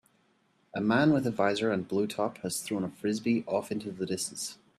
A man with a visor and blue top has thrown a Frisbee off into the distance.